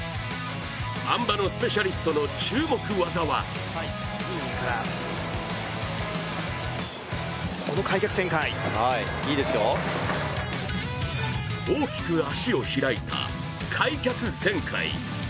あん馬のスペシャリストの注目技は大きく脚を開いた開脚旋回。